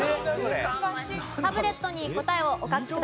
タブレットに答えをお書きください。